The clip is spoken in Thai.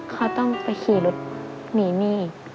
เขาต้องไปขี่รถหนีหนี้